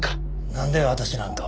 なんで私なんかを？